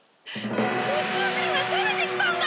宇宙人が攻めてきたんだ！